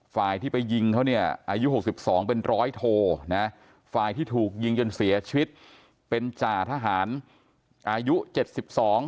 ฝ่ายที่ไปยิงเขาเนี่ยอายุหกสิบสองเป็นร้อยโทนะฝ่ายที่ถูกยิงจนเสียชีวิตเป็นจ่าทหารอายุเจ็ดสิบสอง